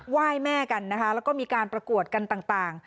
ว่ายแม่กันนะคะแล้วก็มีการประกวดกันต่าง